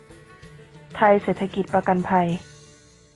ไทยเศรษฐกิจประกันภัย